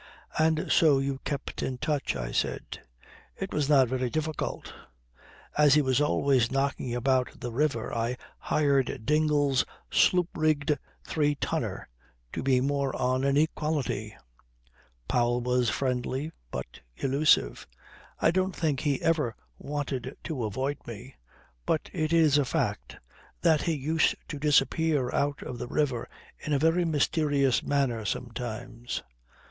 "And so you kept in touch," I said. "It was not so very difficult. As he was always knocking about the river I hired Dingle's sloop rigged three tonner to be more on an equality. Powell was friendly but elusive. I don't think he ever wanted to avoid me. But it is a fact that he used to disappear out of the river in a very mysterious manner sometimes.